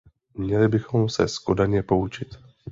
Měli bychom se z Kodaně poučit.